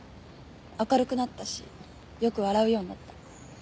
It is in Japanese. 明るくなったしよく笑うようになった。